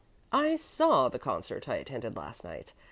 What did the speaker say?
I saw the concert I attended last night.